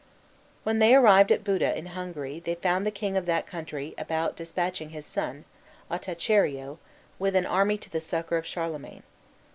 When they arrived at Buda in Hungary they found the king of that country about despatching his son, Ottachiero, with an army to the succor of Charlemagne.